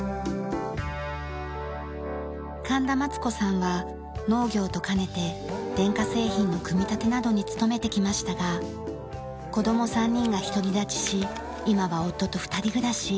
神田マツ子さんは農業と兼ねて電化製品の組み立てなどに勤めてきましたが子供３人が独り立ちし今は夫と２人暮らし。